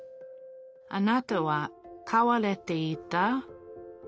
あなたは飼われていた？